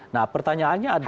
nah pertanyaannya adalah